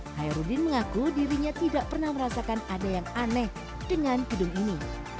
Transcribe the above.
hairudin mengaku dirinya tidak pernah merasakan ada yang aneh dengan gedung ini